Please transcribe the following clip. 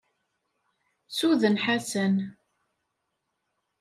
Suden Ḥasan!